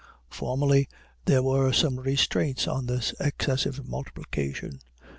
Formerly there were some restraints on this excessive multiplication.